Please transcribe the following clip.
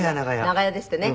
長屋ですってね。